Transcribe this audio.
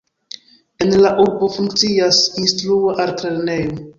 En la urbo funkcias Instrua Altlernejo.